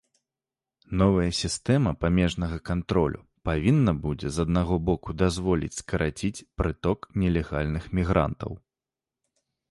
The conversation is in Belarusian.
Новая сістэма памежнага кантролю павінна будзе з аднаго боку дазволіць скараціць прыток нелегальных мігрантаў.